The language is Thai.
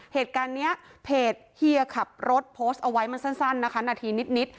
เหตุการณ์นี้เพจเฮียขับรถโพสต์เอาไว้มันสั้นนะคะนาทีนิด